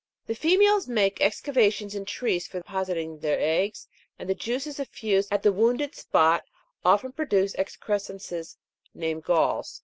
The females make excavations in trees for depositing their eggs, and the juices effused at the wounded spot often produce excres cences named galls.